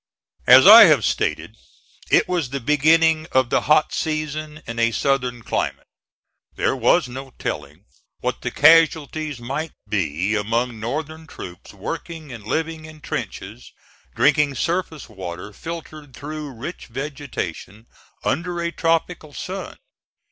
As I have stated, it was the beginning of the hot season in a Southern climate. There was no telling what the casualties might be among Northern troops working and living in trenches, drinking surface water filtered through rich vegetation, under a tropical sun.